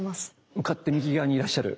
向かって右側にいらっしゃる？